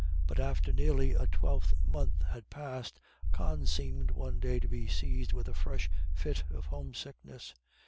But after nearly a twelvemonth had passed, Con seemed one day to be seized with a fresh fit of homesickness.